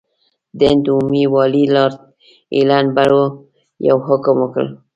د هند عمومي والي لارډ ایلن برو یو حکم وکړ.